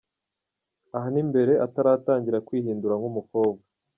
Aha ni mbere ataratangira kwihindura nk’umukobwa.